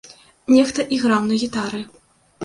Нехта іграў на гітары.